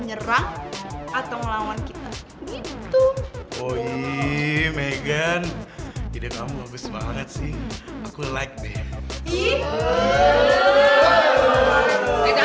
nyerang atau melawan kita gitu oh iiih megan ide kamu bagus banget sih aku like deh iih